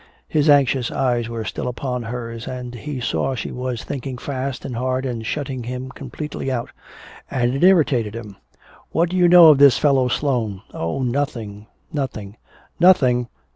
His anxious eyes were still upon hers, and he saw she was thinking fast and hard and shutting him completely out. And it irritated him. "What do you know of this fellow Sloane?" "Oh, nothing nothing " "Nothing!